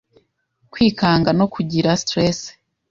Kwikanga no kugira stress